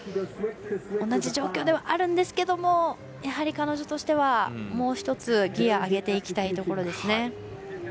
同じ状況ではあるんですけどもやはり、彼女としてはもう１つギヤを上げていきたいところです。